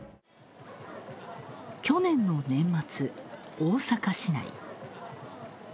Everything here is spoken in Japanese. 去年の年末、大阪市内。